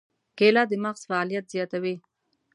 کېله د مغز فعالیت زیاتوي.